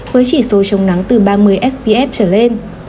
với chỉ số chống nắng từ ba mươi spf trở lên